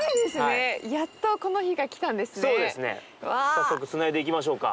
早速つないでいきましょうか。